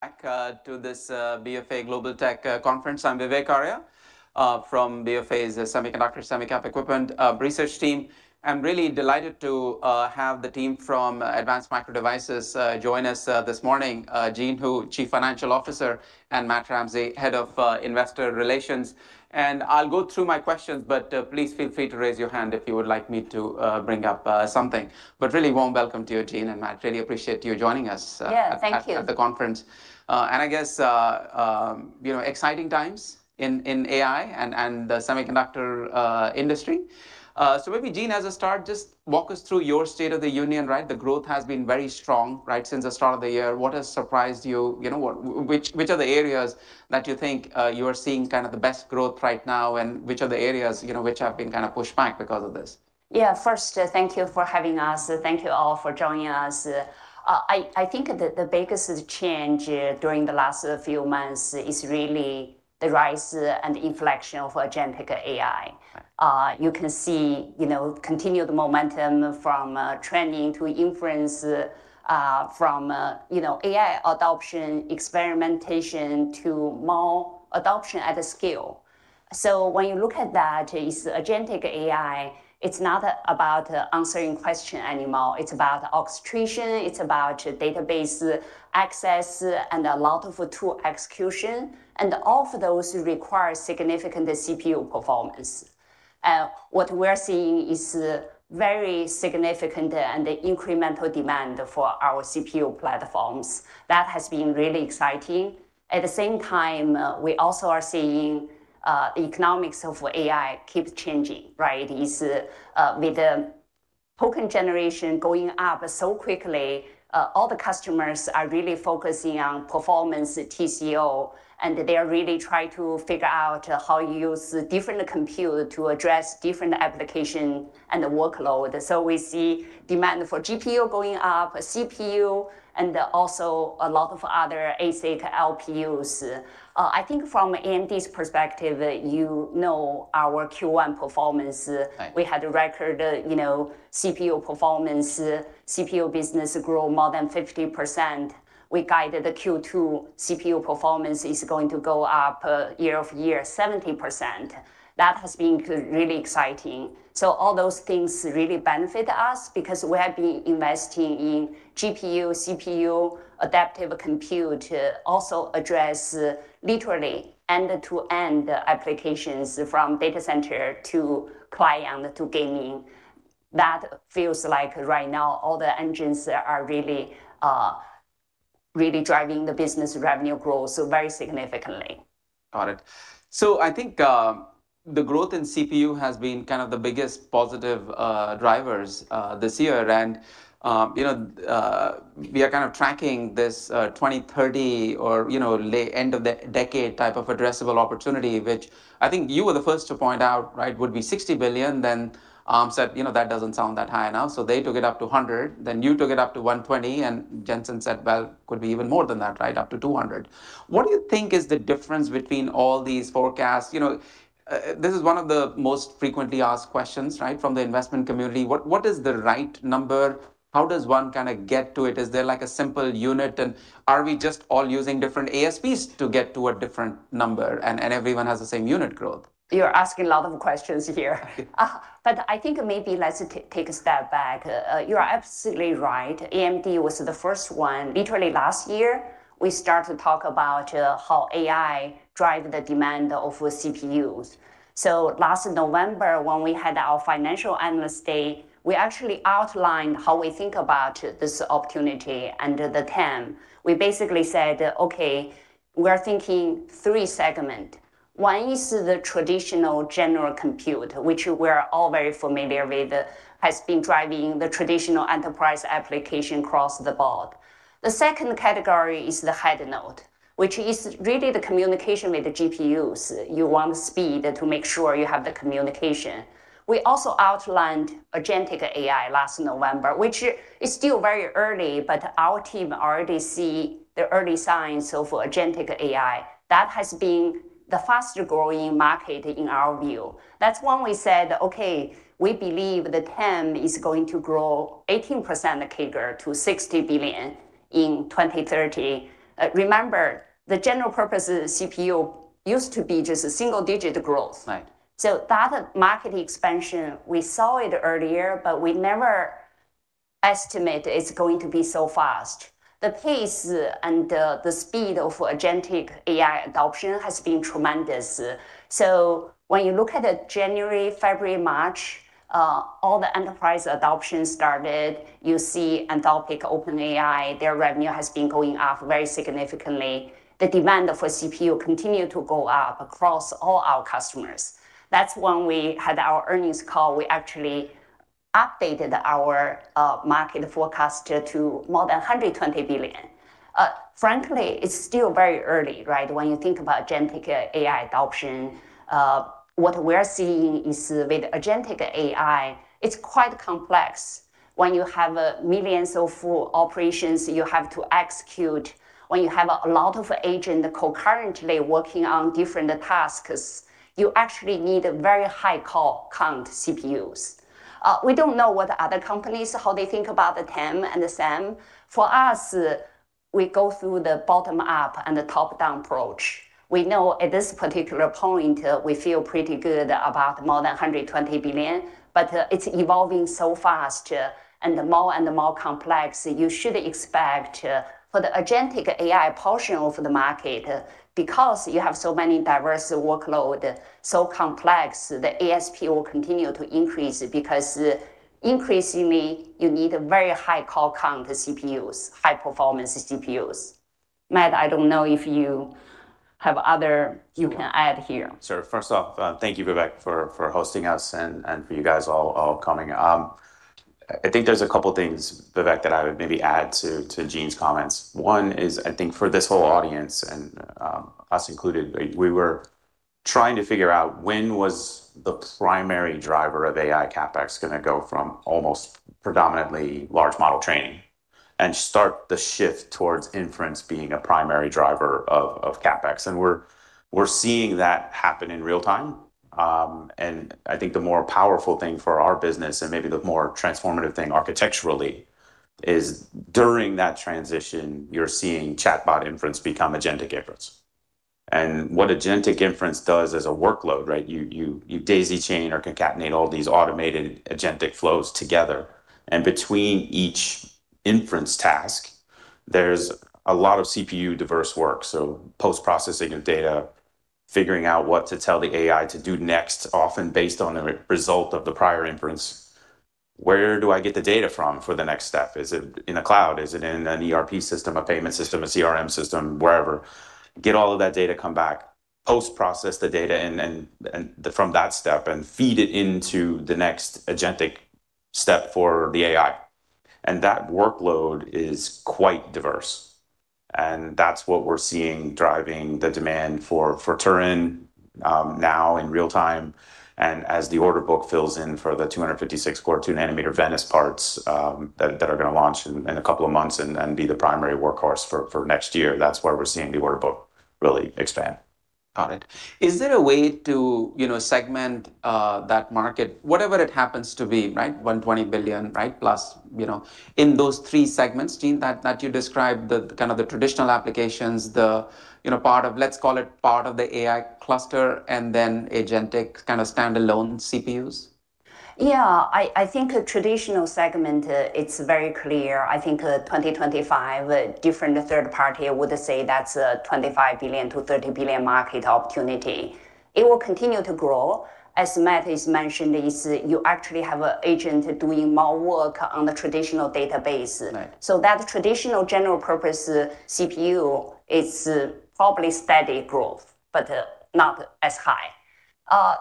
Back to this BofA Global Technology Conference. I'm Vivek Arya from BofA's Semiconductor, Semi Cap Equipment research team. I'm really delighted to have the team from Advanced Micro Devices join us this morning, Jean Hu, Chief Financial Officer, and Matt Ramsay, Head of Investor Relations. I'll go through my questions, but please feel free to raise your hand if you would like me to bring up something. Really warm welcome to you, Jean and Matt. Really appreciate you joining us - Yeah. Thank you. - at the conference. I guess exciting times in AI and the semiconductor industry. Maybe Jean, as a start, just walk us through your state of the union, right? The growth has been very strong, right, since the start of the year. What has surprised you? Which are the areas that you think you are seeing the best growth right now, and which are the areas which have been pushed back because of this? Yeah. First, thank you for having us. Thank you all for joining us. I think the biggest change during the last few months is really the rise and inflection of agentic AI. Right. You can see continued momentum from training to inference, from AI adoption experimentation to more adoption at scale. When you look at that, agentic AI, it's not about answering question anymore. It's about orchestration, it's about database access, and a lot of tool execution. All of those require significant CPU performance. What we're seeing is very significant and the incremental demand for our CPU platforms. That has been really exciting. At the same time, we also are seeing economics of AI keep changing, right? With the token generation going up so quickly, all the customers are really focusing on performance, TCO, and they are really trying to figure out how you use different compute to address different application and the workload. We see demand for GPU going up, CPU, and also a lot of other ASIC LPUs. I think from AMD's perspective, you know our Q1 performance. Right. We had a record CPU performance. CPU business grow more than 50%. We guided the Q2 CPU performance is going to go up year-over-year 70%. That has been really exciting. All those things really benefit us because we have been investing in GPU, CPU, adaptive compute to also address literally end-to-end applications from data center to client to gaming. That feels like right now all the engines are really driving the business revenue growth, so very significantly. Got it. I think the growth in CPU has been kind of the biggest positive drivers this year. We are kind of tracking this 2030 or late end of the decade type of addressable opportunity, which I think you were the first to point out would be $60 billion. Arm said, "That doesn't sound that high enough." They took it up to $100, then you took it up to $120, and Jensen said, "Well, could be even more than that," right, up to $200. What do you think is the difference between all these forecasts? This is one of the most frequently asked questions from the investment community. What is the right number? How does one get to it? Is there like a simple unit, and are we just all using different ASPs to get to a different number, and everyone has the same unit growth? You're asking a lot of questions here. I think maybe let's take a step back. You are absolutely right. AMD was the first one. Literally last year, we start to talk about how AI drive the demand of CPUs. Last November when we had our financial analyst day, we actually outlined how we think about this opportunity under the TAM. We basically said, "Okay, we are thinking three segments." One is the traditional general compute, which we are all very familiar with, has been driving the traditional enterprise application across the board. The second category is the head node, which is really the communication with the GPUs. You want speed to make sure you have the communication. We also outlined agentic AI last November, which is still very early, but our team already see the early signs for agentic AI. That has been the fastest-growing market in our view. That's when we said, "Okay, we believe the TAM is going to grow 18% CAGR to $60 billion in 2030." Remember, the general purpose CPU used to be just a single-digit growth. Right. That market expansion, we saw it earlier, but we never estimate it's going to be so fast. The pace and the speed of agentic AI adoption has been tremendous. When you look at the January, February, March, all the enterprise adoption started. You see Anthropic, OpenAI, their revenue has been going up very significantly. The demand for CPU continued to go up across all our customers. That's when we had our earnings call. We actually updated our market forecast to more than $120 billion. It's still very early when you think about agentic AI adoption. What we are seeing is with agentic AI, it's quite complex when you have millions of operations you have to execute. When you have a lot of agent concurrently working on different tasks, you actually need a very high core count CPUs. We don't know what other companies, how they think about the TAM and the SAM. We go through the bottom-up and the top-down approach. We know at this particular point, we feel pretty good about more than $120 billion, but it's evolving so fast, and the more complex you should expect for the agentic AI portion of the market, because you have so many diverse workloads, so complex, the ASP will continue to increase because increasingly you need a very high core count CPUs, high performance CPUs. Matt, I don't know if you have other you can add here. Sure. First off, thank you, Vivek, for hosting us and for you guys all coming. I think there's a couple things, Vivek, that I would maybe add to Jean's comments. One is, I think for this whole audience and us included, we were trying to figure out when was the primary driver of AI CapEx going to go from almost predominantly large model training and start the shift towards inference being a primary driver of CapEx. We're seeing that happen in real time. I think the more powerful thing for our business and maybe the more transformative thing architecturally is during that transition, you're seeing chatbot inference become agentic inference, and what agentic inference does as a workload. You daisy chain or concatenate all these automated agentic flows together, between each inference task, there's a lot of CPU diverse work, so post-processing of data, figuring out what to tell the AI to do next, often based on the result of the prior inference. Where do I get the data from for the next step? Is it in a cloud? Is it in an ERP system, a payment system, a CRM system, wherever? Get all of that data, come back, post-process the data and from that step, and feed it into the next agentic step for the AI. That workload is quite diverse. That's what we're seeing driving the demand for Turin, now in real time. As the order book fills in for the 256 core 2 nm Venice parts, that are going to launch in a couple of months and be the primary workhorse for next year. That's why we're seeing the order book really expand. Got it. Is there a way to segment that market, whatever it happens to be? $120 billion+, in those three segments, Jean, that you described, the kind of the traditional applications, let's call it part of the AI cluster and then agentic kind of standalone CPUs? I think a traditional segment, it's very clear. I think 2025, a different third party would say that's a $25 billion-$30 billion market opportunity. It will continue to grow. As Matt has mentioned, is you actually have an agent doing more work on the traditional database. Right. That traditional general purpose CPU, it's probably steady growth, but not as high.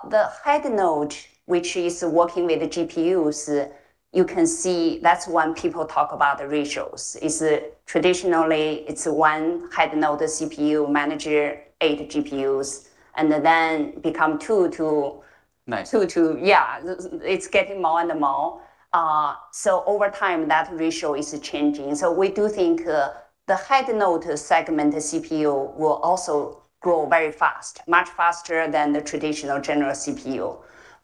The head node, which is working with the GPUs, you can see that's when people talk about the ratios, is traditionally it's one head node CPU manager, eight GPUs - Nice. - two to, yeah. It's getting more and more. Over time, that ratio is changing. We do think the head node segment CPU will also grow very fast, much faster than the traditional general CPU.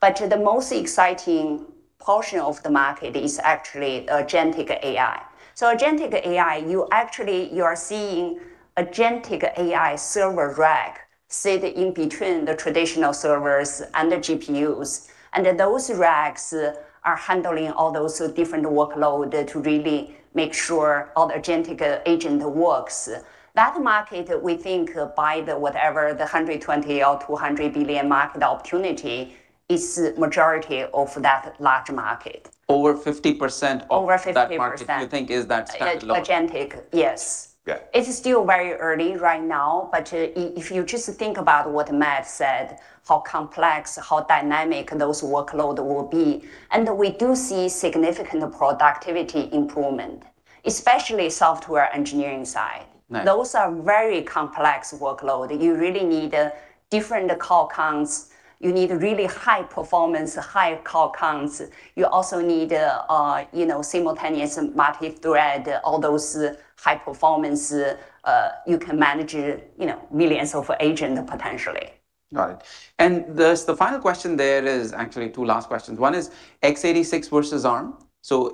The most exciting portion of the market is actually agentic AI. Agentic AI, you actually are seeing agentic AI server rack sit in between the traditional servers and the GPUs. Those racks are handling all those different workload to really make sure all the agentic agent works. That market, we think by the whatever, the $120 billion or $200 billion market opportunity is majority of that large market. Over 50% of - Over 50%. - that market you think is that standalone? Agentic. Yes. Yeah. It's still very early right now, but if you just think about what Matt said, how complex, how dynamic those workload will be, and we do see significant productivity improvement, especially software engineering side. Nice. Those are very complex workload. You really need different core counts. You need really high performance, high core counts. You also need simultaneous multi-thread, all those high performance, you can manage millions of agent potentially. Got it. The final question there is actually two last questions. One is x86 versus Arm.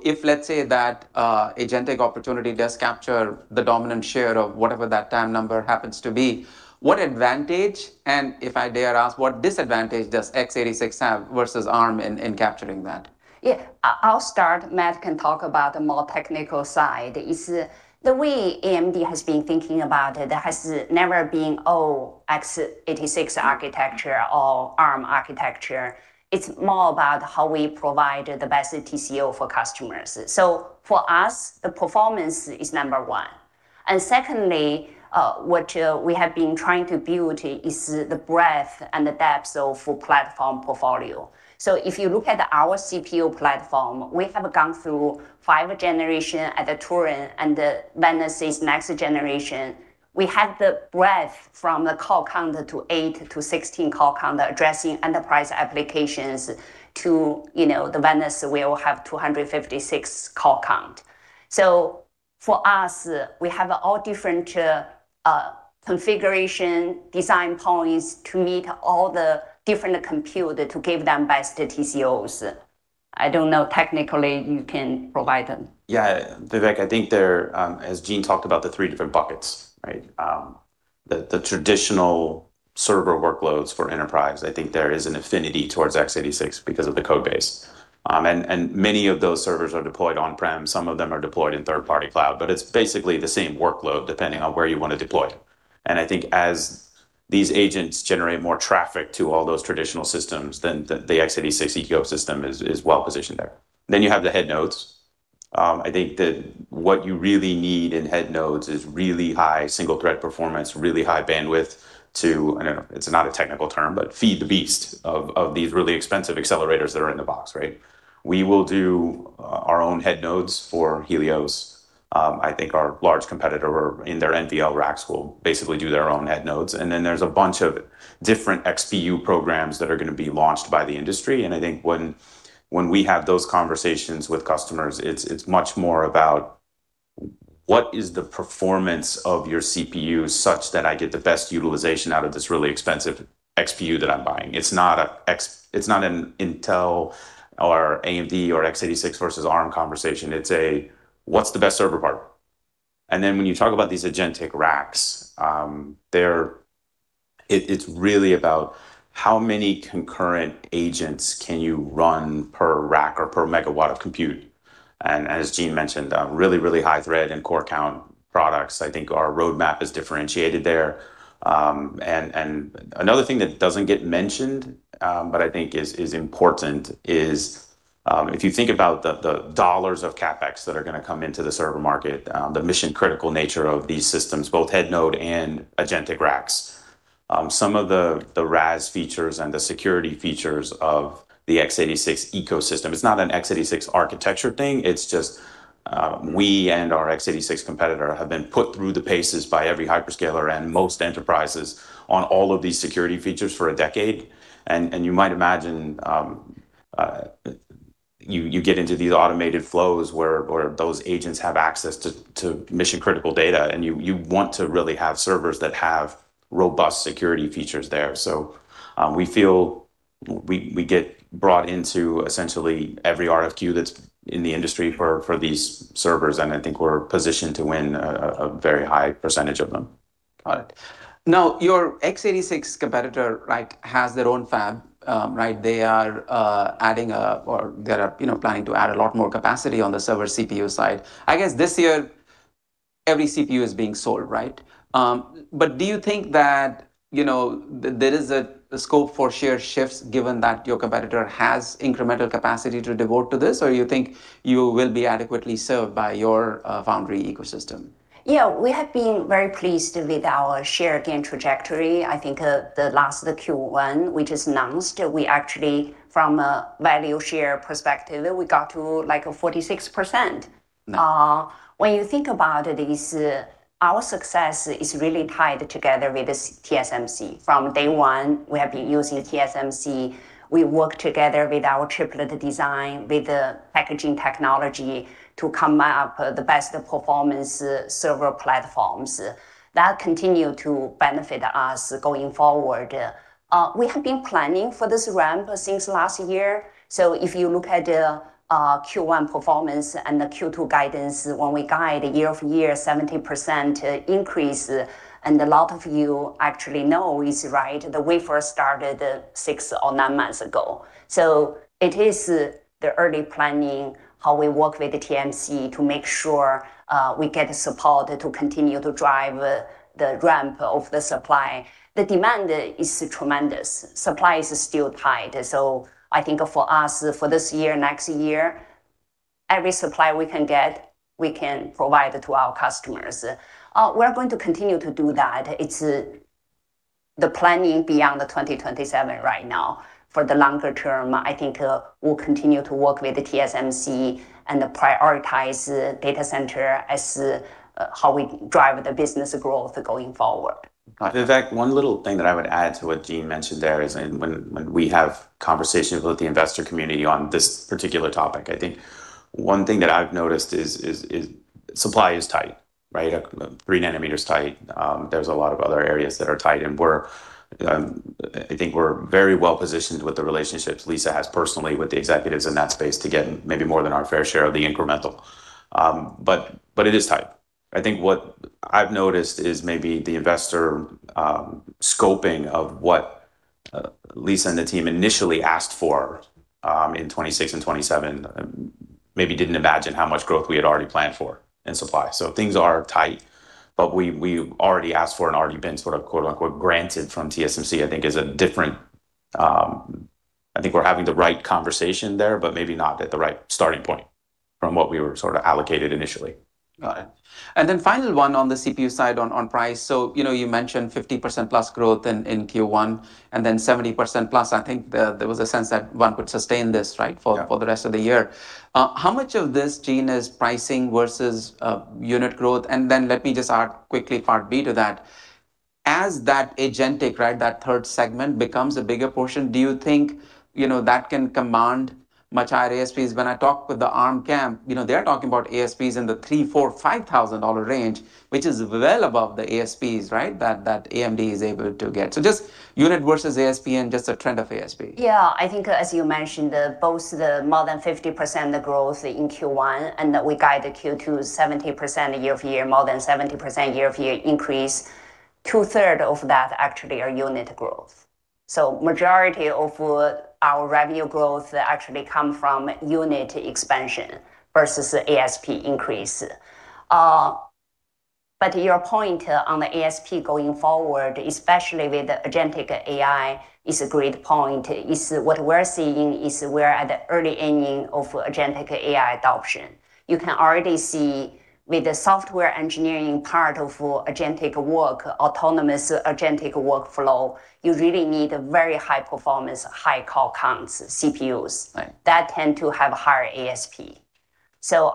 If let's say that agentic opportunity does capture the dominant share of whatever that TAM number happens to be, what advantage, and if I dare ask, what disadvantage does x86 have versus Arm in capturing that? I'll start. Matt can talk about the more technical side is the way AMD has been thinking about it has never been, oh, x86 architecture or Arm architecture. It's more about how we provide the best TCO for customers. For us, the performance is number one. Secondly, what we have been trying to build is the breadth and the depth. For platform portfolio. If you look at our CPU platform, we have gone through five generation at the Turin and the Venice is next generation. We have the breadth from the core count to 8 to 16 core count addressing enterprise applications to the Venice will have 256 core count. For us, we have all different configuration design points to meet all the different compute to give them best TCOs. I don't know technically you can provide them. Yeah. Vivek, I think as Jean talked about, the three different buckets, right? The traditional server workloads for enterprise, I think there is an affinity towards x86 because of the code base. Many of those servers are deployed on-prem, some of them are deployed in third-party cloud. It's basically the same workload depending on where you want to deploy. I think as these agents generate more traffic to all those traditional systems, the x86 ecosystem is well positioned there. You have the head nodes. I think that what you really need in head nodes is really high single-thread performance, really high bandwidth to, I don't know, it's not a technical term, but feed the beast of these really expensive accelerators that are in the box, right? We will do our own head nodes for Helios. I think our large competitor in their NVL racks will basically do their own head nodes. There's a bunch of different XPU programs that are going to be launched by the industry. I think when we have those conversations with customers, it's much more about what is the performance of your CPU such that I get the best utilization out of this really expensive XPU that I'm buying. It's not an Intel or AMD or x86 versus Arm conversation. It's a what's the best server part. When you talk about these agentic racks, it's really about how many concurrent agents can you run per rack or per megawatt of compute. As Jean mentioned, really high thread and core count products. I think our roadmap is differentiated there. Another thing that doesn't get mentioned, but I think is important, is if you think about the dollars of CapEx that are going to come into the server market, the mission-critical nature of these systems, both head node and agentic racks. Some of the RAS features and the security features of the x86 ecosystem, it's not an x86 architecture thing, it's just we and our x86 competitor have been put through the paces by every hyperscaler and most enterprises on all of these security features for a decade. You might imagine, you get into these automated flows where those agents have access to mission-critical data, and you want to really have servers that have robust security features there. We feel we get brought into essentially every RFQ that's in the industry for these servers, and I think we're positioned to win a very high percentage of them. Got it. Now, your x86 competitor has their own fab. They are planning to add a lot more capacity on the server CPU side. I guess this year every CPU is being sold, right? Do you think that there is a scope for share shifts given that your competitor has incremental capacity to devote to this, or you think you will be adequately served by your foundry ecosystem? Yeah. We have been very pleased with our share gain trajectory. I think the last Q1, which is announced, we actually from a value share perspective, we got to like a 46%. Nice. When you think about it, our success is really tied together with TSMC. From day one, we have been using TSMC. We work together with our chiplet design, with the packaging technology to come up with the best performance server platforms. That continue to benefit us going forward. We have been planning for this ramp since last year. If you look at the Q1 performance and the Q2 guidance, when we guide year-over-year 70% increase. A lot of you actually know is right, the way we first started six or nine months ago. It is the early planning, how we work with the TSMC to make sure we get support to continue to drive the ramp of the supply. The demand is tremendous. Supply is still tight. I think for us, for this year, next year, every supply we can get, we can provide to our customers. We're going to continue to do that. It's the planning beyond the 2027 right now. For the longer term, I think we'll continue to work with TSMC and prioritize data center as how we drive the business growth going forward. Got it. Vivek, one little thing that I would add to what Jean mentioned there is when we have conversations with the investor community on this particular topic, I think one thing that I've noticed is supply is tight, right? 3 nm tight. There's a lot of other areas that are tight, and I think we're very well-positioned with the relationships Lisa has personally with the executives in that space to get maybe more than our fair share of the incremental. It is tight. I think what I've noticed is maybe the investor scoping of what Lisa and the team initially asked for in 2026 and 2027 maybe didn't imagine how much growth we had already planned for in supply. Things are tight, but we've already asked for and already been sort of, quote-unquote, "granted" from TSMC, I think we're having the right conversation there, but maybe not at the right starting point from what we were sort of allocated initially. Got it. Final one on the CPU side on price. You mentioned 50%+ growth in Q1 and then 70%+. I think there was a sense that one could sustain this - Yeah. - for the rest of the year. How much of this, Jean, is pricing versus unit growth? Let me just add quickly part B to that. As that agentic, that third segment, becomes a bigger portion, do you think that can command much higher ASPs? When I talk with the Arm camp, they're talking about ASPs in the $3,000, $4,000, $5,000 range, which is well above the ASPs that AMD is able to get. Just unit versus ASP and just the trend of ASP. Yeah. I think as you mentioned, both the more than 50% growth in Q1 and that we guide the Q2 70% year-over-year, more than 70% year-over-year increase, two-third of that actually are unit growth. Majority of our revenue growth actually come from unit expansion versus ASP increase. Your point on the ASP going forward, especially with the agentic AI, is a great point. What we're seeing is we're at the early inning of agentic AI adoption. You can already see with the software engineering part of agentic work, autonomous agentic workflow, you really need a very high performance, high core counts, CPUs. Right. That tend to have a higher ASP.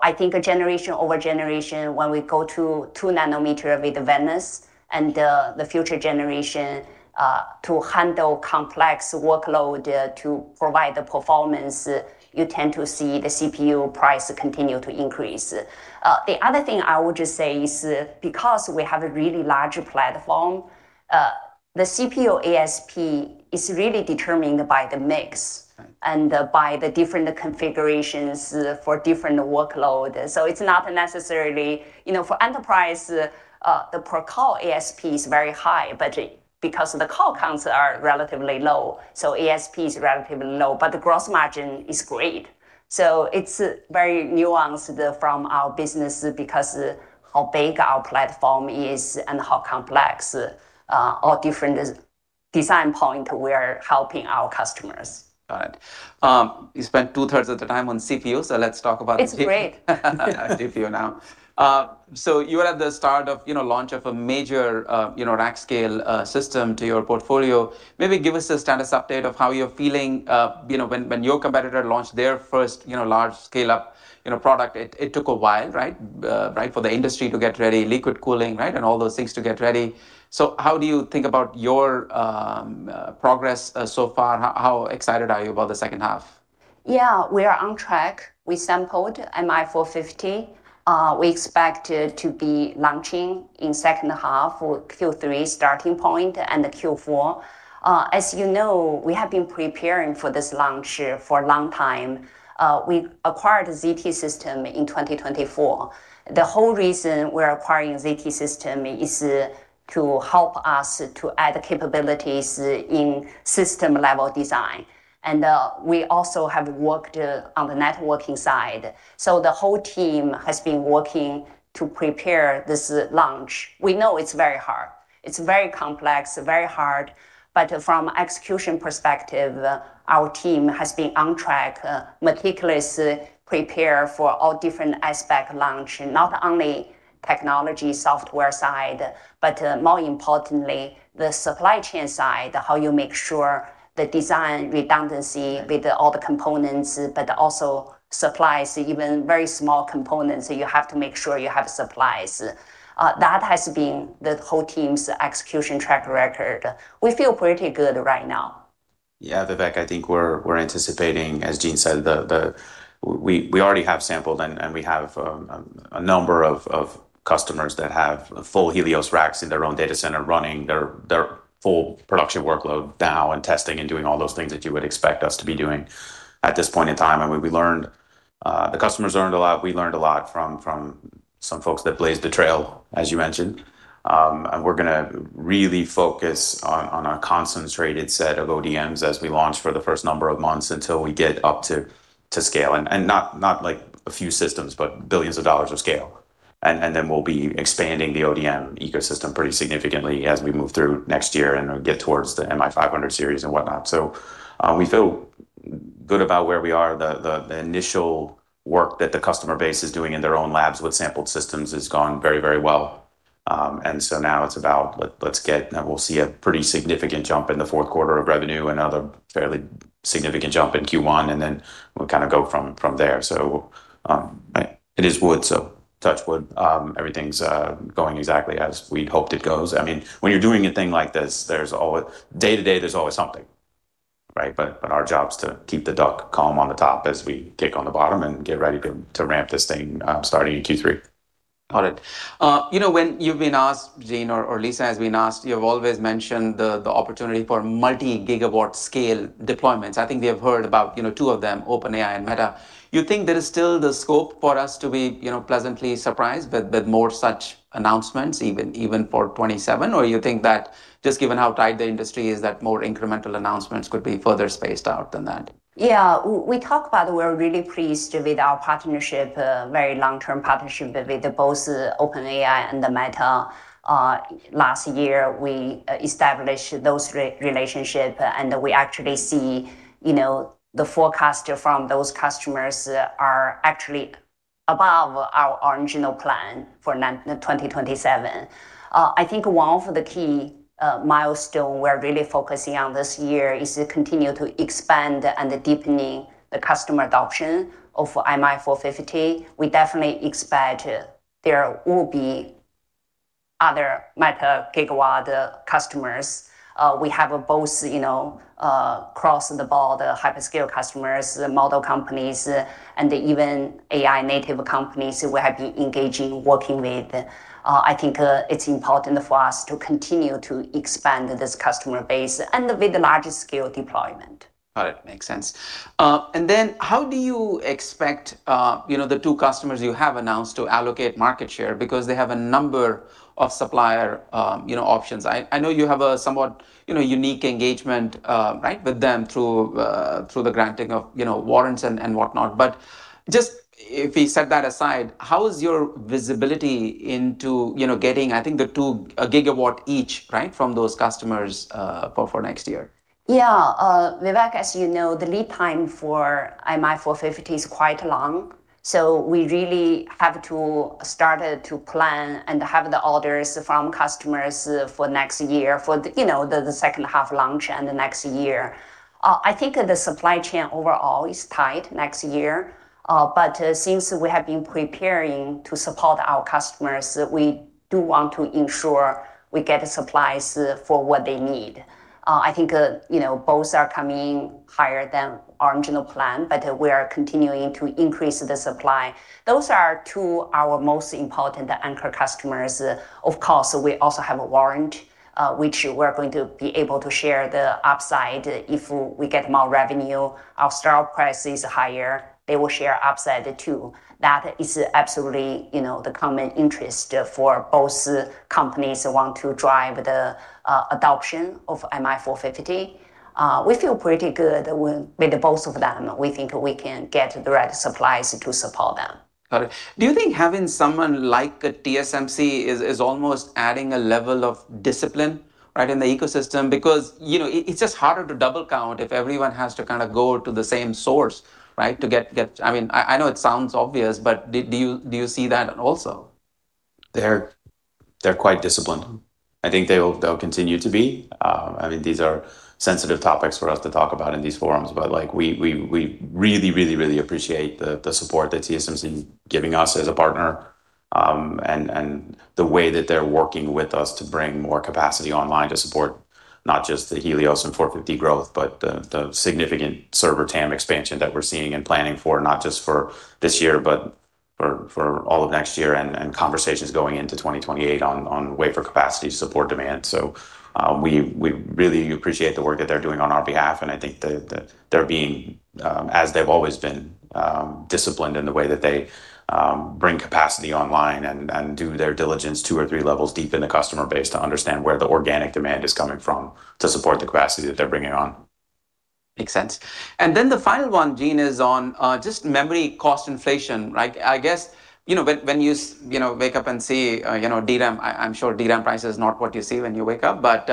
I think a generation over generation, when we go to 2 nm with Venice and the future generation to handle complex workload to provide the performance, you tend to see the CPU price continue to increase. The other thing I would just say is because we have a really large platform, the CPU ASP is really determined by the mix - Right. - by the different configurations for different workload. For enterprise, the per core ASP is very high, but because the core counts are relatively low, so ASP is relatively low, but the gross margin is great. It's very nuanced from our business because how big our platform is and how complex all different design point we're helping our customers. Got it. You spent two thirds of the time on CPU, let's talk about GPU. It's great. GPU now. You are at the start of launch of a major rack-scale system to your portfolio. Maybe give us a status update of how you're feeling. When your competitor launched their first large scale up product, it took a while for the industry to get ready, liquid cooling and all those things to get ready. How do you think about your progress so far? How excited are you about the second half? Yeah, we are on track. We sampled MI450. We expect to be launching in second half or Q3 starting point and the Q4. As you know, we have been preparing for this launch for a long time. We acquired ZT Systems in 2024. The whole reason we're acquiring ZT Systems is to help us to add capabilities in system-level design. We also have worked on the networking side. The whole team has been working to prepare this launch. We know it's very hard. It's very complex, very hard, but from execution perspective, our team has been on track, meticulous prepare for all different aspect launch. Not only technology software side, but more importantly, the supply chain side, how you make sure the design redundancy with all the components, but also supplies even very small components, you have to make sure you have supplies. That has been the whole team's execution track record. We feel pretty good right now. Vivek, I think we're anticipating, as Jean said, we already have sampled and we have a number of customers that have full Helios racks in their own data center running their full production workload now and testing and doing all those things that you would expect us to be doing at this point in time. The customers learned a lot, we learned a lot from some folks that blazed the trail, as you mentioned. We're going to really focus on a concentrated set of ODMs as we launch for the first number of months until we get up to scale, not like a few systems, but billions of dollars of scale. We'll be expanding the ODM ecosystem pretty significantly as we move through next year and get towards the MI500 series and whatnot. We feel good about where we are. The initial work that the customer base is doing in their own labs with sampled systems has gone very well. Now it's about We'll see a pretty significant jump in the fourth quarter of revenue, another fairly significant jump in Q1, and then we'll go from there. It is wood, so touch wood. Everything's going exactly as we'd hoped it goes. When you're doing a thing like this, day to day, there's always something. Our job's to keep the duck calm on the top as we kick on the bottom and get ready to ramp this thing starting in Q3. Got it. When you've been asked, Jean, or Lisa has been asked, you have always mentioned the opportunity for multi-gigawatt scale deployments. I think we have heard about two of them, OpenAI and Meta. You think there is still the scope for us to be pleasantly surprised with more such announcements even for 2027? You think that just given how tight the industry is, that more incremental announcements could be further spaced out than that? Yeah. We talked about we're really pleased with our partnership, very long-term partnership with both OpenAI and Meta. Last year, we established those relationship, and we actually see the forecast from those customers are actually above our original plan for 2027. I think one of the key milestone we're really focusing on this year is to continue to expand and deepening the customer adoption of MI450. We definitely expect there will be other multi-gigawatt customers. We have both, across the board, hyperscale customers, the model companies, and even AI native companies who we have been engaging, working with. I think it's important for us to continue to expand this customer base and with the largest scale deployment. Got it. Makes sense. How do you expect the two customers you have announced to allocate market share? Because they have a number of supplier options. I know you have a somewhat unique engagement with them through the granting of warrants and whatnot, but just if we set that aside, how is your visibility into getting, I think the two gigawatt each from those customers for next year? Vivek, as you know, the lead time for MI450 is quite long. We really have to start to plan and have the orders from customers for next year for the second half launch and the next year. I think the supply chain overall is tight next year. Since we have been preparing to support our customers, we do want to ensure we get the supplies for what they need. Those are two our most important anchor customers. Of course, we also have a warrant, which we're going to be able to share the upside if we get more revenue. Our stock price is higher, they will share upside too. That is absolutely the common interest for both companies who want to drive the adoption of MI450. We feel pretty good with both of them. We think we can get the right supplies to support them. Got it. Do you think having someone like TSMC is almost adding a level of discipline in the ecosystem? It's just harder to double count if everyone has to go to the same source. I know it sounds obvious, but do you see that also? They're quite disciplined. I think they'll continue to be. These are sensitive topics for us to talk about in these forums, but we really, really, really appreciate the support that TSMC giving us as a partner, and the way that they're working with us to bring more capacity online to support not just the Helios and 450 growth, but the significant server TAM expansion that we're seeing and planning for not just for this year, but for all of next year and conversations going into 2028 on wafer capacity to support demand. We really appreciate the work that they're doing on our behalf, and I think they're being, as they've always been, disciplined in the way that they bring capacity online and do their diligence two or three levels deep in the customer base to understand where the organic demand is coming from to support the capacity that they're bringing on. Makes sense. The final one, Jean, is on just memory cost inflation. I guess, when you wake up and see DRAM, I am sure DRAM price is not what you see when you wake up, but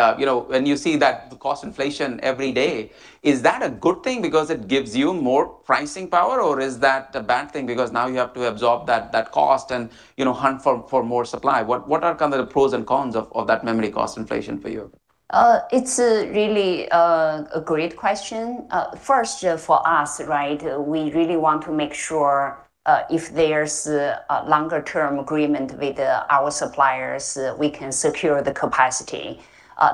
when you see that cost inflation every day, is that a good thing because it gives you more pricing power, or is that a bad thing because now you have to absorb that cost and hunt for more supply? What are kind of the pros and cons of that memory cost inflation for you? It's really a great question. First for us, we really want to make sure if there's a longer-term agreement with our suppliers, we can secure the capacity.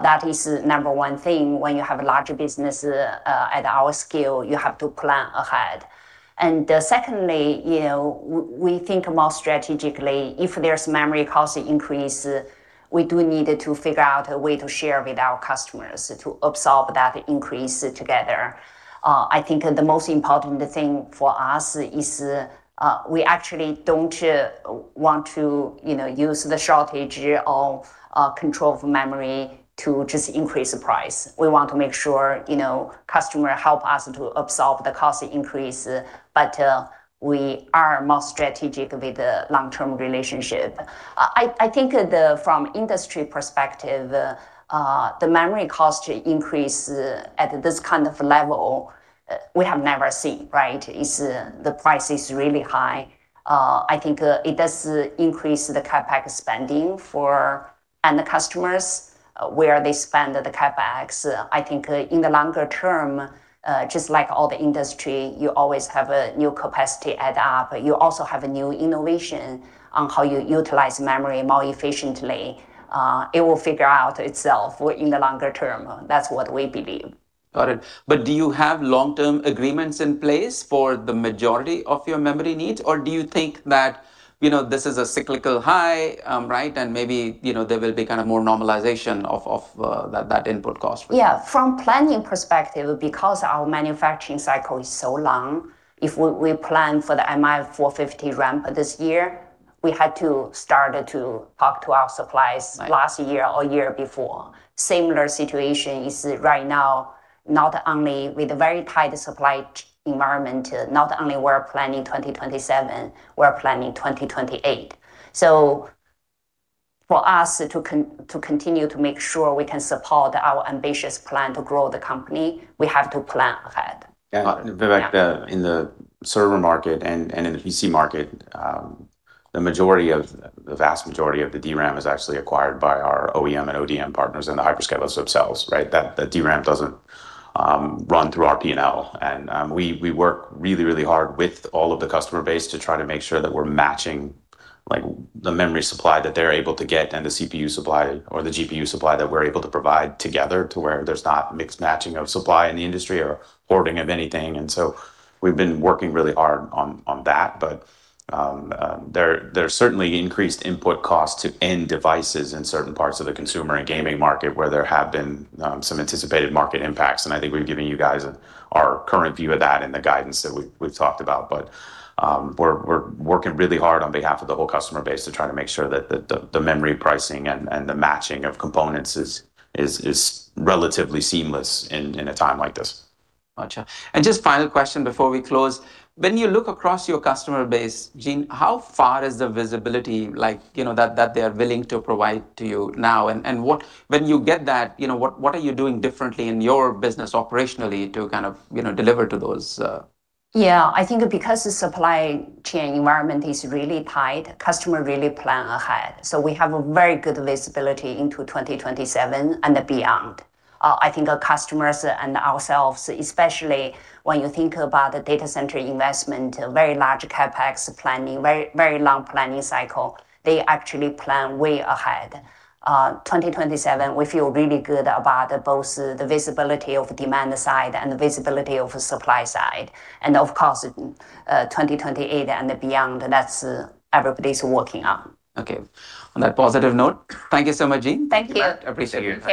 That is number one thing when you have a larger business at our scale, you have to plan ahead. Secondly, we think more strategically, if there's memory cost increase, we do need to figure out a way to share with our customers to absorb that increase together. I think the most important thing for us is we actually don't want to use the shortage of controlled memory to just increase the price. We want to make sure customer help us to absorb the cost increase, we are more strategic with the long-term relationship. I think from industry perspective, the memory cost increase at this kind of level, we have never seen. The price is really high. I think it does increase the CapEx spending for end customers where they spend the CapEx. I think in the longer term, just like all the industry, you always have a new capacity add up. You also have a new innovation on how you utilize memory more efficiently. It will figure out itself in the longer term. That's what we believe. Got it. Do you have long-term agreements in place for the majority of your memory needs, or do you think that this is a cyclical high, and maybe there will be more normalization of that input cost for you? From planning perspective, because our manufacturing cycle is so long, if we plan for the MI450 ramp this year, we had to start to talk to our suppliers last year or year before. Similar situation is right now, not only with the very tight supply environment, not only we're planning 2027, we're planning 2028. For us to continue to make sure we can support our ambitious plan to grow the company, we have to plan ahead. Yeah. Vivek, in the server market and in the PC market, the vast majority of the DRAM is actually acquired by our OEM and ODM partners and the hyperscalers themselves. That DRAM doesn't run through our P&L, and we work really, really hard with all of the customer base to try to make sure that we're matching the memory supply that they're able to get and the CPU supply or the GPU supply that we're able to provide together to where there's not mismatching of supply in the industry or hoarding of anything. We've been working really hard on that. There's certainly increased input costs to end devices in certain parts of the consumer and gaming market where there have been some anticipated market impacts, and I think we've given you guys our current view of that and the guidance that we've talked about. We're working really hard on behalf of the whole customer base to try to make sure that the memory pricing and the matching of components is relatively seamless in a time like this. Got you. Just final question before we close. When you look across your customer base, Jean, how far is the visibility that they're willing to provide to you now, and when you get that, what are you doing differently in your business operationally to kind of deliver to those? Yeah. I think because the supply chain environment is really tight, customer really plan ahead. We have a very good visibility into 2027 and beyond. I think our customers and ourselves, especially when you think about the data center investment, very large CapEx planning, very long planning cycle, they actually plan way ahead. 2027, we feel really good about both the visibility of demand side and the visibility of supply side. Of course, 2028 and beyond, that's everybody's working on. Okay. On that positive note, thank you so much, Jean. Thank you. I appreciate your time.